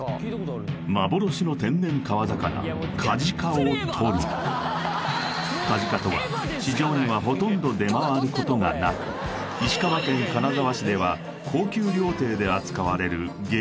幻の天然川魚カジカをとるカジカとは市場にはほとんど出回ることがなく石川県金沢市では高級料亭で扱われる激